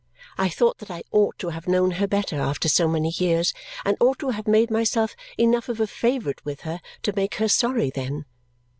I thought that I ought to have known her better after so many years and ought to have made myself enough of a favourite with her to make her sorry then.